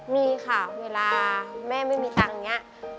มีค่ะเวลาแม่ไม่มีตังค์นี้